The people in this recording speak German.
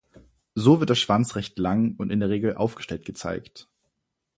So wird der Schwanz recht lang und in der Regel aufgestellt gezeigt.